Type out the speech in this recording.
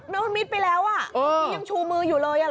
น้องมิดไปแล้วอ่ะยังชูมืออยู่เลย